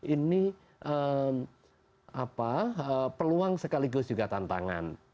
ini peluang sekaligus juga tantangan